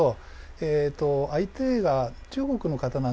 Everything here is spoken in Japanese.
えっと相手が中国の方なんですよね。